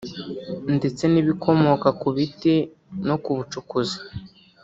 ndetse n’ibikomoka ku biti no ku bucukuzi”